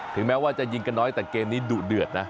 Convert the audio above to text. แม้ว่าจะยิงกันน้อยแต่เกมนี้ดุเดือดนะ